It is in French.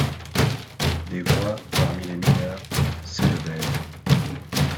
Des voix, parmi les mineurs, s’élevèrent.